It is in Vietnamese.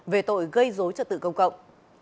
về tội gây dối trật tự công cộng